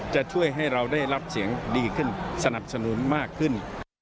จะช่วยให้เราได้รับเสียงดีขึ้นสนับสนุนมากขึ้น